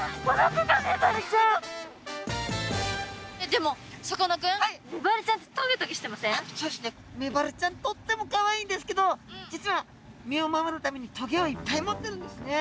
でもさかなクンメバルちゃんメバルちゃんとってもかわいいんですけど実は身を守るためにトゲをいっぱい持ってるんですね。